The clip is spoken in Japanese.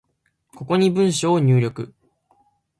ここに文章を入力